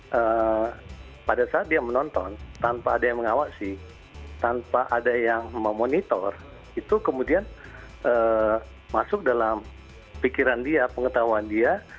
nah pada saat dia menonton tanpa ada yang mengawasi tanpa ada yang memonitor itu kemudian masuk dalam pikiran dia pengetahuan dia